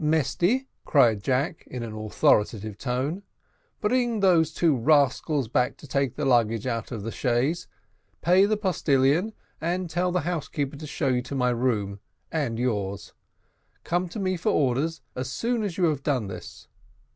"Mesty," cried Jack, in an authoritative tone, "bring those two rascals back to take the luggage out of the chaise; pay the postilion, and tell the housekeeper to show you my room and yours. Come to me for orders as soon as you have done this."